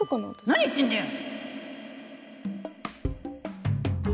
何言ってんだよ！